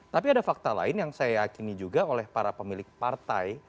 tapi ada fakta lain yang saya yakini juga oleh para pemilik partai